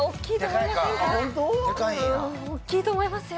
おっきいと思いますよ